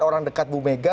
orang dekat bumega